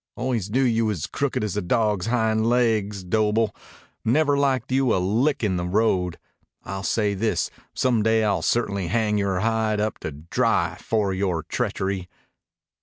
"Always knew you was crooked as a dog's hind laigs Doble. Never liked you a lick in the road. I'll say this. Some day I'll certainly hang yore hide up to dry for yore treachery."